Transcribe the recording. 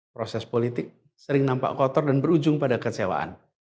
proses politik sering nampak kotor dan berujung pada kecewaan